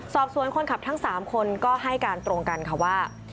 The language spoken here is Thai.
สอบสวนคนขับทั้ง๓คนก็ให้การตรงกันค่ะว่า